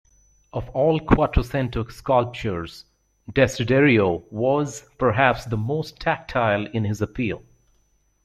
Of all Quattrocento sculptors, Desiderio was, perhaps, the most tactile in his appeal.